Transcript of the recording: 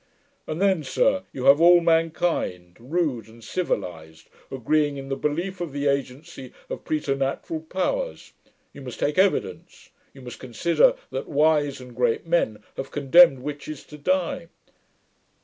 'And then, sir, you have all mankind, rude and civilized, agreeing in the belief of the agency of preternatural powers. You must take evidence: you must consider, that wise and great men have condemned witches to die.'